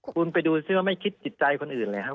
คุณไปดูซิว่าไม่คิดจิตใจคนอื่นเลยครับ